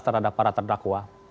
terhadap para terdakwa